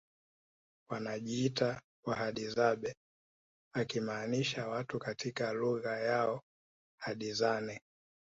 wanajiita Wahadzabe akimaanisha watu katika lugha yao Hadzane